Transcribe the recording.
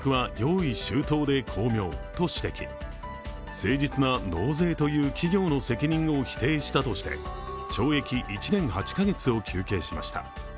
誠実な納税という企業の責任を否定したとして懲役１年８カ月を求刑しました。